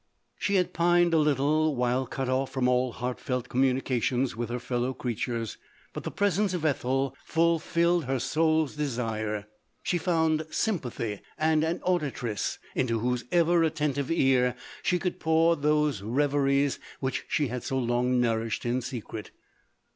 She had pined a little while cut off from all heart felt communication with her fellow creatures, but the presence of Ethel ful 284 LODORE. rilled her sours desire ; she found sympathy, and an auditress, into whose ever attentive ear she could pour those reveries which she had so long nourished in secret.